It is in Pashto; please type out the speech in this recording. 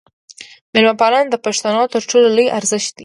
میلمه پالنه د پښتنو تر ټولو لوی ارزښت دی.